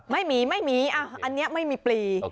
ไม่มีอันนี้ไม่มีปี